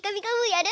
やる？